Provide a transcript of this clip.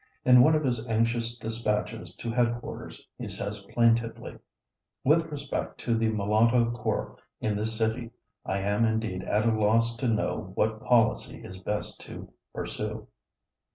In one of his anxious despatches to headquarters he says plaintively: "With respect to the Mulatto Corps in this city, I am indeed at a loss to know what policy is best to pursue."